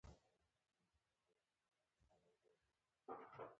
او په ګړنۍ بڼه خوله په خوله له يوه نسل نه بل نسل ته